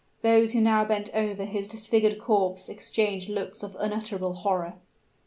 Those who now bent over his disfigured corpse exchanged looks of unutterable horror.